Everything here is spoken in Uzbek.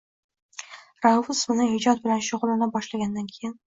Rauf ismini ijod bilan shug’ullana boshlagandan keyin